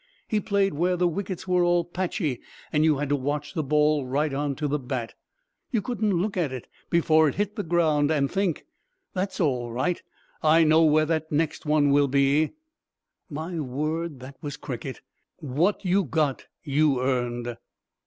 He played where the wickets were all patchy, and you had to watch the ball right on to the bat. You couldn't look at it before it hit the ground and think, 'That's all right. I know where that one will be!' My word, that was cricket. What you got you earned."